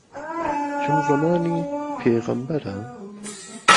چون زەمانی پێغەمبەرەا